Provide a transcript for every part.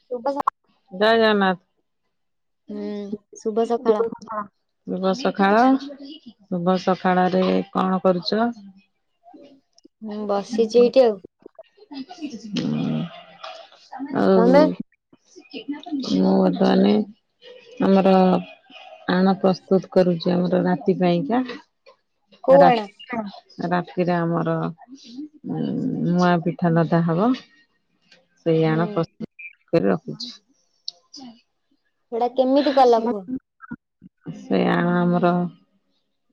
ସୁଭ ସ ଜୟ ଜଗନ୍ନାଥ। ହୁଁ ଶୁଭ ସକାଳ। ହଁ। ଶୁଭ ସକାଳ, ଶୁଭ ସକାଳ ରେ କଣ କରୁ ଚ? ବସିଛି ଏଇଠି ଆଉ। ତମେ ଆଉ ମୁଁ [unintelligible] ଆମର ଆଣ ପ୍ରସ୍ତୁତ କରୁଛୁ ଆମର ରାତି ପାଇଁକା। କୋଉ ରା ଆଣ ରାତିରେ ଆମର ଉ ମୁଁଆ ପିଠା ଲଦା ହବ। ହୁଁ ସେଇଆଣ ପ୍ରସ୍ତୁତ କରି ରଖୁଚୁ। ସେଟା କେମିତି କଲ କୁହ। ସେଇ ଆଣ ଆମର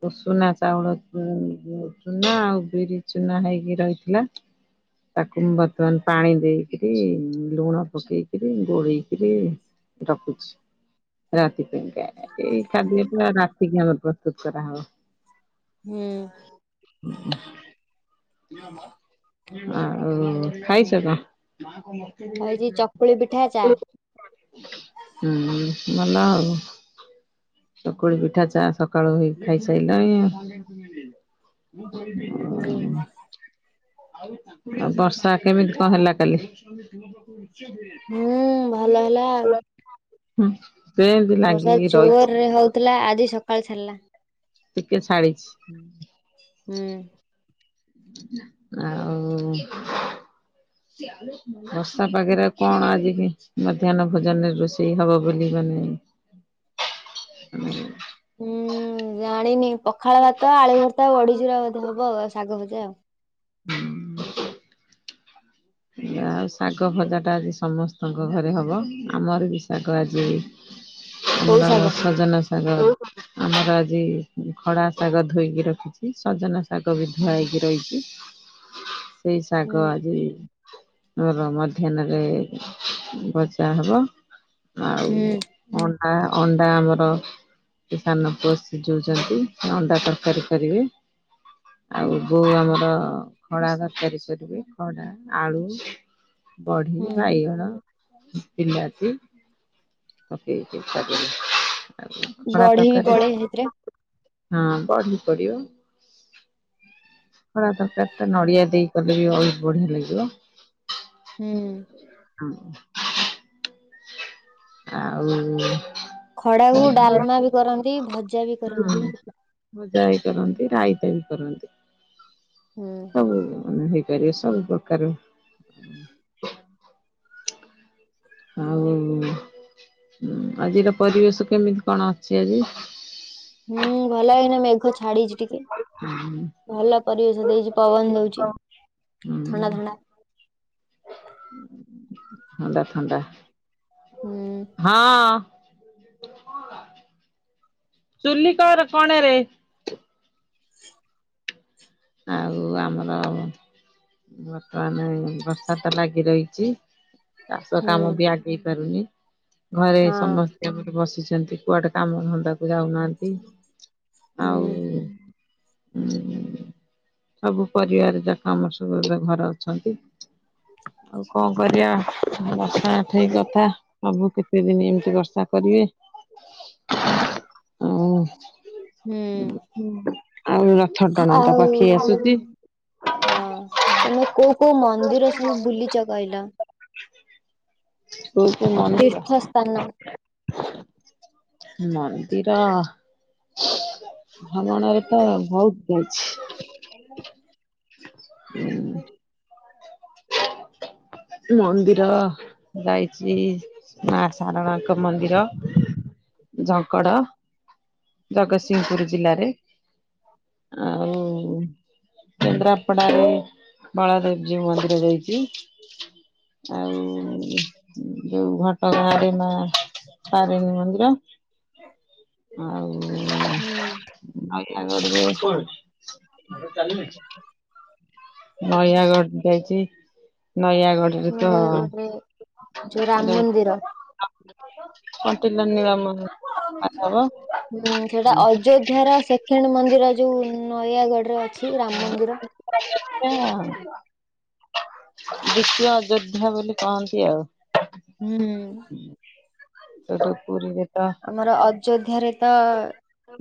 ଉସୁନା ଚାଉଳ ଚୁନା ଆଉ ବିରି ଚୁନା ହେଇକି ରହିଥିଲା। ତାକୁ ମୁ ବର୍ତ୍ତମାନ ପାଣି ଦେଇକିରି ଲୁଣ ପକେଇକିରି ଗୋଳେଇକିରି ରଖୁଛି। ରାତି ପାଇଁକା ଏଇ ଖାଦ୍ୟ ଟା ରାତିକି ଆମର ପ୍ରସ୍ତୁତ କରାହବ। ହୁଁ। [inaudible] ଆଉ ଖାଇଛ କଁ? ହେଇଛି ଚକୁଳି ପିଠା ଚା ହୁଁ ଭଲ ଆଉ। ଚକୁଳି ପିଠା ଚା ସକାଳୁ ହେଇ ଖାଇସାଇଲଣି। ହୁଁ ଉଁ। ଆ ବର୍ଷା କେମିତି କଁ ହେଲା କାଲି? ହୁଁ ଭଲ ହେଲା। ହୁଁ ସେମତି ଲାଗିକି ରହିଛି। ଥିଲା ଆଜି ସକାଳେ ଛାଡିଲା। ଟିକେ ଛାଡିଛି। ହୁଁ। ଆଉ ବର୍ଷା ପାଗରେ କଣ ଆଜି ହେଇଚି ମଧ୍ୟାହ୍ନ ଭୋଜନରେ ରୋଷେଇ ହବ ବୋଲି ମାନେ [inaudible] ଉଁ। ହୁଁ ଜାଣିନି ପଖାଳ ଭାତ ଆଳୁ ଭର୍ତ୍ତା ବଡିଚୁରା ବୋଧେ ହବ ଶାଗ ଭଜା ଆଉ। [inaudible] ଆଉ ଶାଗ ଭଜାଟା ଆଜି ସମସ୍ତଙ୍କ ଘରେ ହବ। ଆମର ବି ଶାଗ ଆଜି କୋଉ ଆମର ଶାଗ ସଜନା ଶାଗ ଆମର ଆଜି ଖଡାଶାଗ ଧୋଇକି ରଖିଛି। ସଜନାଶାଗ ବି ଧୁଆଇକି ରହିଛି। ସେଇ ହୁଁ ଶାଗ ଆଜି ଆମର ମଧ୍ୟାହ୍ନରେ ଭଜା ହବ। ହୁଁ ଆଉ ଅଣ୍ଡା ଅଣ୍ଡା ଆମର କି ସାନ ପୁଅ ଶିଝେଉଛନ୍ତି ଅଣ୍ଡା ତରକାରୀ କରିବେ। ଆଉ ବୋଉ ଆମର ଖଡା ତରକାରୀ କରିବେ। ଖଡା ଆଳୁ, ବଢି, ହୁଁ ବାଇଗଣ ବିଲାତି ପକେଇକି କରିବେ। ଖଡା ବଢି ବି ତରକାରୀରେ ପଡେ ସେଥିରେ ହଁ ବଢି ପଡିବ। ଖଡା ତରକାରୀ ଟା ନଡିଆ ଦେଇ କଲେ ବି ବହୁତ ବଢିଆ ଲାଗିବ। ହୁଁ। ହଁ। ଆଉ ଖଡାକୁ ଡାଲମା ବି କରନ୍ତି ଭଜା ବି ହୁଁ କରନ୍ତି। ଭଜା ବି କରନ୍ତି, ରାଇତା ବି କରନ୍ତି। ହୁଁ। ହୁଁ ହେଇପାରିବ ସବୁ ପ୍ରକାର ବି। ଆଉ ଆଜିର ପରିବେଶ କେମିତି କଣ ଅଛି ଆଜି? ହୁଁ ଭଲ ଏଇନା ମେଘ ଛାଡ଼ିଛି ଟିକେ। ହୁଁ ଭଲ ପରିବେଶ ଦେଇଛି ପବନ ଦଉଛି ହୁଁ ଥଣ୍ଡା ଥଣ୍ଡା। ଥଣ୍ଡା ଥଣ୍ଡା। ହୁଁ। ହଁ, ଚୁଲି କର କଣରେ। ଆଉ ଆମର ବର୍ତ୍ତମାନ ବର୍ଷା ତ ଲାଗି ରହିଛି। ଚାଷ ହୁଁ କାମ ବି ଆଗେଇ ପାରୁନି। ଘରେ ହଁ ସମସ୍ କେବେଠୁ ବସିଛନ୍ତି କୁଆଡ଼େ କାମ ଧନ୍ଦା କୁ ଯାଉନାହାନ୍ତି। ହୁଁ ଆଉ ହୁଁ। ସବୁ ପରିବାର ଯାକ ଆମର ସବୁ ଏବେ ଘରେ ଅଛନ୍ତି। ଆଉ କଣ କରିବା ବର୍ଷା ଠେଇ କଥା ପ୍ରଭୁ କେତେ ଦିନ ଏମିତି ବର୍ଷା କରିବେ। ହୁଁ। ଆଉର ଆଉ ହଁ, ତମେ କୋଉ କୋଉ ମନ୍ଦିର ସବୁ ବୁଲି ବୁଲି ଚ କହିଲ? କୋଉ କୋଉ ମନେ ବି ତୀର୍ଥ ସ୍ଥାନ ପଡୁନି। ମନ୍ଦିର ଭ୍ରମଣରେ ତ ବହୁତ ଯାଇଛି। [inaudible] ପଠେଇବି। ମନ୍ଦିର ଯାଇଛି ମା ସାରଳାଙ୍କ ମନ୍ଦିର ଝଙ୍କଡ଼। ଜଗତସିଂହପୁର ଜିଲ୍ଲାରେ। ଆଉ କେନ୍ଦ୍ରାପଡ଼ା ରେ ବଳଦେବଜୀଉ ମନ୍ଦିର। ଜାଇଚି। ଆଉ ଯୋଉ ଘଟ ଗାଁରେ ମା ତାରିଣୀ ମନ୍ଦି - - ର ଆଉ ହୁଁ ନୟାଗଡ଼ ରେ ନୟଗଡ ଯାଇଚି। ନୟାଗଡ଼ରେ ଯୋଉ ରାମ ମନ୍ଦିର। କଣ୍ଟିଲ ନୀଳମ ମାଧବ ହୁଁ ସେଟା ଅଯୋ ଧା ର ସେକେଣ୍ଡେ ମନ୍ଦିର ଯୋଉ ନୟାଗଡ଼ରେ ଅଛି। [unintelligible] ରାମ ମନ୍ଦିର। ଦ୍ୱିତୀୟ ଅଯୋଧ୍ୟା ବୋଲି କହନ୍ତି ଆଉ। ହୁଁ ସେଠୁ ପୁରୀରେ ତ ଆମର ଅ ଅଯୋଧ୍ୟାରେ ତ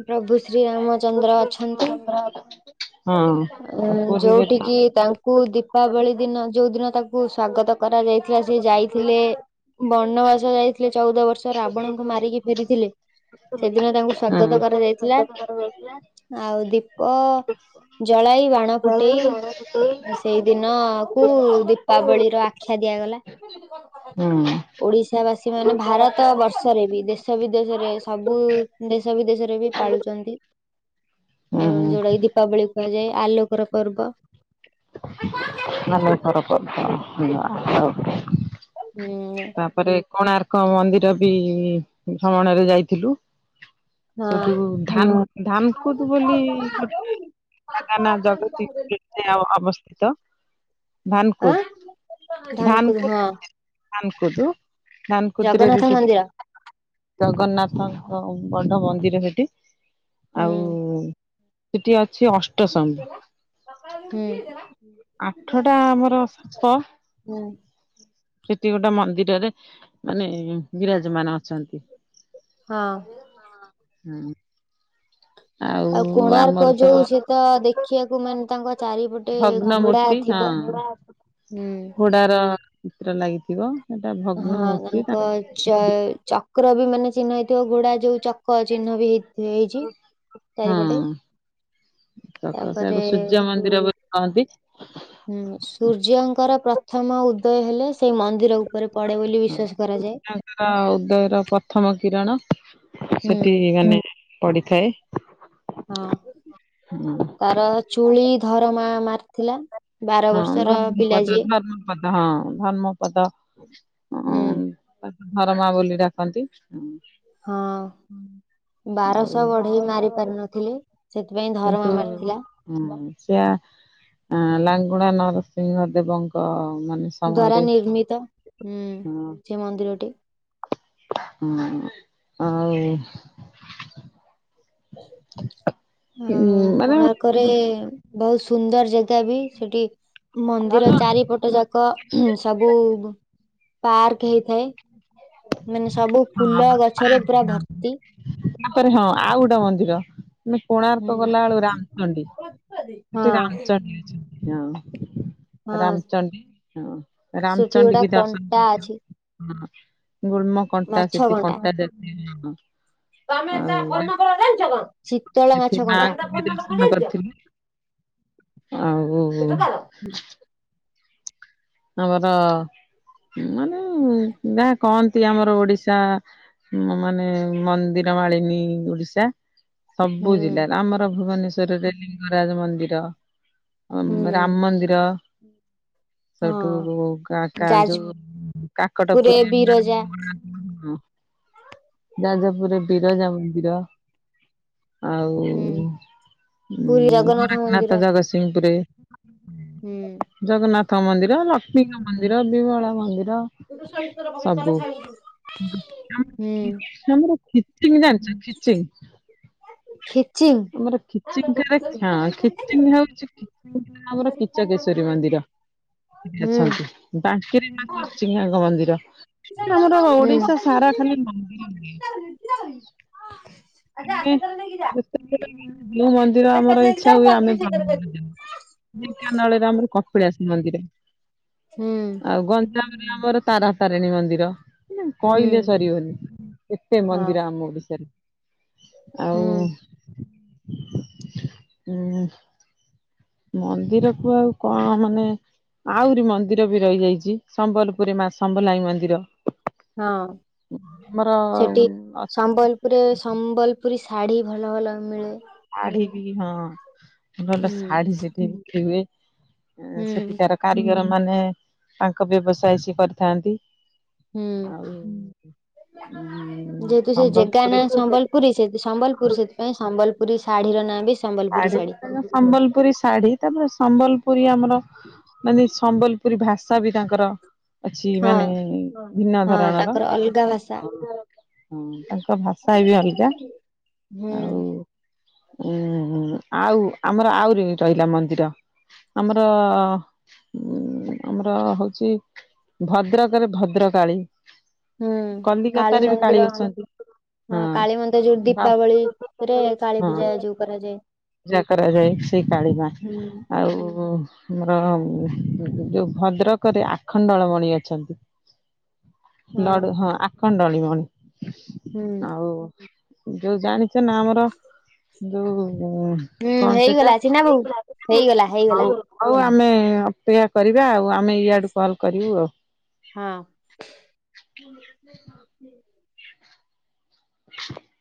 ପ୍ରଭୁ ଶ୍ରୀରାମଚନ୍ଦ୍ର ଅଛନ୍ତି। [unintelligible] ହଁ ପୁରୀରେ ତ ଯୋଉଠିକି ତା ଙ୍କୁ ଦୀପାବଳି ଦିନ ଯୋଉ ଦିନ ତାକୁ ସ୍ଵାଗତ କରାଯାଇଥିଲା। ସେ ଯାଇଥିଲେ ବନବାସ ଯାଇଥିଲେ ଚଉଦ ବର୍ଷ ରାବଣଙ୍କୁ ମାରିକି ଫେରିଥିଲେ। ସେଦିନ ତାଙ୍କୁ ସ୍ଵାଗତ କରାଯାଇଥିଲା। ହଁ ଆଉ ଦୀପ ଜ ଜଳାଇ ବାଣ ଫୁଟେଇ ସେଇ ଦିନ କୁ ଦୀପାବଳି ଆଖ୍ୟା ଦିଆଗଲା। ହୁଁ ଓଡିଶା ବାସୀ ମାନେ ଭାରତ ବର୍ଷ ଦେଶରେ ବି ଦେଶ ବିଦେଶରେ ସବୁ ଦେଶ ବିଦେଶରେ ବି ପାଳୁଚନ୍ତି। ଅ ହୁଁ ଯୋଉଟା କି ଦୀପାବଳି କୁହାଯାଏ। ଆଲୋକର ପର୍ବ। ନଲେ ଫରକ [unintelligible] ହୁଁ ତା ପରେ କୋଣାର୍କ ମନ୍ଦିର ବି ଭ୍ରମଣରେ ଯାଇଥିଲୁ। ହଁ ସେଠୁ ଧାନ ଧାନକୁଦ ବୋଲି ଗୋଟେ ଗାଁଁ। ଜଗା ନ ଜଗରୁ ଟି ଅବସ୍ଥିତ। ଧାନ ଆଁ କୁଦ ଧାନକୁ ଧାନକୁଦ ହଁ ଧାନ କୁଦୁ ଧାନ କୁଦ୍ରେ ରେ ଜଗନ୍ନାଥ ମନ୍ଦିର ଜଗନ୍ନାଥଙ୍କ ବଡ ମନ୍ଦିର ସେଠି। ହୁଁ ସେଟି ଅଛି ଅଷ୍ଟ ସମ ହୁଁ ଆଠଟା ଆମର ସାପ। ହୁଁ ସେଠି ଗୋଟେ ମନ୍ଦିରରେ ମାନେ ବିରରାଜ ମାନ ଅଛନ୍ତି। ହଁ। ହଁ ଆଉ କୋଣାର୍କ ଆମର ତ ଯୋଉ ସେ ତ ଦେଖିବାକୁ ମାନେ ତାଙ୍କ ଚାରିପଟେ ଭଗ୍ନ ଘୋଡା ମୂର୍ତ୍ତି ହଁ ଥିବ ହୁଁ ଘୋଡାର ଚିତ୍ର ଲାଗିଥିବ। ସେଟା ଭଗ୍ନ ହଁ ମୂର୍ତ୍ତି ତା ତାଙ୍କ ଚ ଚକ୍ର ବି ମାନେ ଚିହ୍ନ ହେଇଥିବ ଗୁଡା ଯୋଉ ଚ କ ଚିହ୍ନ ବି ହେଇ ହେଇଚି ଚାରିପଟେ। ତକ ତାପରେ ତାକୁ ସୂର୍ଯ୍ୟ ମନ୍ଦିର ବୋଲି କହନ୍ତି। ହୁଁ, ସୂର୍ଯ୍ୟଙ୍କର ପ୍ରଥମ ଉଦୟ ହେଲେ ସେଇ ମନ୍ଦିରକୁ ଉପରେ ପଡେ ବୋଲି ବିଶ୍ଵାସ କରାଯାଏ। [unintelligible] ଉଦୟର ପ୍ରଥମ କିରଣ ହୁଁ ସେଠି ମାନେ ପଡିଥାଏ। ହଁ ହଁ ତାର ଚୁଳି ଧରମା ମାରିଥିଲା। ବାର ହଁ ବର୍ଷର ପିଲା ଧର୍ମପଦ ଯିଏ। ଧର୍ମପଦ ହଁ ଧର୍ମପଦ ଅଁ ତାକୁ ଧରମା ବୋଲି ଡାକନ୍ତି। ହଁ। ଆଉ ବାରଶହ ବଢେଇ ମାରି ପାରି ନଥିଲେ ସେଥିପାଇଁ ଧରମା ମାରିଥିଲା। ହୁ ସେଆ ଲାଙ୍ଗୁଳାନରସିଂହ ଦେବଙ୍କ ମାନେ ଦ୍ଵାରା ସମୟରେ ନିର୍ମିତ ହୁଁ ସେ ମନ୍ଦିରଟି। ହୁଁ। ଆଉ [unintelligible] ଆଉ ମାନେ କୋଣାର୍କରେ ବହୁତ ସୁନ୍ଦର ଜାଗା ବି ସେଠି। ଧନ ମନ୍ଦିର ଚାରିପଟ ଯାକ ସବୁ ପାର୍କ ହେଇଥାଏ। ମାନେ ସବୁ ଫୁଲ ଗଛରେ ପୁରା ଭର୍ତ୍ତି। ତା ପରେ ହଁ ଆଉ ଗୋଟେ ମନ୍ଦିର। ମୁଁ କହିଲି ହୁଁ। କୋଣାର୍କ ହଁ ହଁ ଗଲା ବେଳୁ ରାମଚଣ୍ଡୀ ସେଠି ରାମଚଣ୍ଡୀ ଅଛି। ହଁ ରାମଚଣ୍ଡୀ ହଁ ସେଠି ରାମଚଣ୍ଡୀ ଗୋଟା କି ଦର୍ଶନ କଣ୍ଟା ଅଛି କରିଥିଲୁ। ହଁ ଗୁଳ୍ମ କଣ୍ଟା ସେଠି କଣ୍ଟା [unintelligible] ଆଉ ଶୀତଳ ସେଠି ମାଛ ମା ଙ୍କୁ ବି ଦର୍ଶନ କଣ୍ଟା। କରିଥିଲୁ। ଆଉ [unintelligible] ଆମର ମାନେ ଯାହା କହନ୍ତି ଆମର ଓଡିଶା ମୁଁ ମାନେ ମନ୍ଦିର ମାଳିନୀ ଓଡିଶା। ସବୁ ହୁଁ ଜିଲା ରେ ଆମର ଭୁବନେଶ୍ଵରରେ ଲିଙ୍ଗରାଜ ମନ୍ଦିର ଅଁ ହୁଁ ରାମ ମନ୍ଦିର ହଁ ସେଠୁ କା କା ଯାଜପୁରରେ ଯୋଉ କାକଟ ପୁରେ ବିରଜା। [unintelligible] ଯାଜପୁର ରେ ବିରଜା ମନ୍ଦିର। ଆଉ ହୁଁ ପୁରୀ ଜଗନ୍ନାଥ ମନ୍ଦିର ଗୋରଖନାଥ ଜଗତସିଂହପୁର ରେ। ହୁଁ ଜଗନ୍ନାଥ ମନ୍ଦିର, ଲକ୍ଷ୍ମୀଙ୍କ ମନ୍ଦିର, ବିମଳା ମନ୍ଦିର। ସବୁ ହୁଁ ଆମର [unintelligible] ଖିଚିଂ? ଖିଚିଂ ଆମର ଖିଚିଂ [unintelligible] ହଁ ଖିଚିଂ ହଉଚି [unintelligible] ଆମର କିଚକେଶ୍ଵରୀ ମନ୍ଦିର। ହୁଁ ଅଛନ୍ତି। ବାଙ୍କିରେ ଆମର [unintelligible] ମନ୍ଦିର। ଆମର ହୁଁ। ଓଡିଶା ସାରା ଖାଲି ମନ୍ଦିର [unintelligible] ହଁ। [unintelligible] ଯୋଉ ମନ୍ଦିର ଆମର ଇଛା ହୁଏ ଆମେ [unintelligible] ଢେଙ୍କାନାଳରେ ଆମର କପିଳା ଶ ମନ୍ଦିର ହୁଁ ଆଉ ଗଞ୍ଜାମରେ ଆମର ତାରା ତାରିଣୀ ମନ୍ଦିର ହୁଁ କହିଲେ ସରିିବନି ଏତେ ହଁ ମନ୍ଦିର ଆମ ଓଡିଶାରେ। ହୁଁ ଆଉ ଉ ମନ୍ଦିର କୁ ଆଉ କଣ ମାନେ ଆହୁରି ମନ୍ଦିର ବି ରହିଯାଇଚି ସମ୍ବଲପୁରୀ ମା ସମ୍ବଲାଇ ମନ୍ଦିର। ହଁ ଆମର ସେଠି ସମ୍ବଲପୁରରେ ସମ୍ବଲ ପୁରୀ ଶାଢ଼ୀ ଭଲ ଭଲ ମିଳେ। ଶାଢୀ ବି ହଁ ଭଲ ହୁଁ ଶାଢୀ ସେଠି ବିକ୍ରି ହୁଏ। ହୁଁ ସେଠିକାର କାରିଗର ମାନେ ତାଙ୍କ ବ୍ୟବସାୟ ସିଏ କରିଥାନ୍ତି। ହୁଁ। ଆଉ ଉଁ ଯେହେତୁ ସେ ଜାଗା ସମ୍ବଲପୁରୀ ନାହିଁ ଶାଢୀ ସମ୍ବଲପୁରୀ ସେ ସମ୍ବଲପୁରୀ ସେ ସେ ପାଇଁ ସମ୍ବଲପୁରୀ ଶାଢୀର ନାଁବି ଶାଢୀ ଯାତ ସମ୍ବଲପୁରୀ ଶାଢୀ ତାପରେ ସମ୍ବଲପୁରୀ ଆମର ମାନେ ସମ୍ବଲପୁରୀ ଭାଷାବି ତାଙ୍କର ଅଛି ହଁ ମାନେ ଭିନ୍ନ ହଁ ଧରଣର ତାଙ୍କର ଅଲଗା ଭାଷା ହୁଁ ତାଙ୍କ ଭାଷାବି ଅଲଗା ହୁଁ। ହୁଁ ଆଉ ଆମର ଆହୁରି ରହିଲା ମନ୍ଦିର। ଆମର ଆମର ହଉଚି ଭଦ୍ରକରେ ଭଦ୍ରକାଳୀ ହୁଁ କାଳୀ କଲିକତାରେ ବି ମନ୍ଦିର ଅଛନ୍ତି ହଁ କାଳୀ ମନ୍ଦର ଯୋଉ ବା ଦୀପାବଳିରେ କାଳୀ ହଁ ପୂଜା ଯୋଉ କରାଯାଏ। ପୂଜା କରାଯାଏ ସେଇ କାଳିମା ହୁଁ ଆଉ ଆମର ଯୋଉ ଭଦ୍ରକରେ ଆଖଣ୍ଡଳମଣି ଅଛନ୍ତି। ଡଡ଼ୁ ହଁ ଆଖଣ୍ଡଳମଣି। ହୁଁ। ହଉ ଯୋଉ ଜାଣିଚନା ଆମର ଯୋଉ ହୁଁ କଣ ସେଇଟା ହେଇଗଲା ଚିନା ବୋଉ ହେଇଗଲା ଆଉ ହେଇଗଲା ଆଉ ଆମେ ଅପେକ୍ଷା କରିବା ଆଉ ଆମେ ଇଆଡ଼ୁ କଲ୍ କରିବୁ ଆଉ। ହଁ। [inaudible]